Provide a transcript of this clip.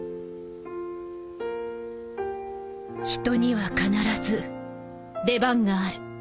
「人には必ず出番がある」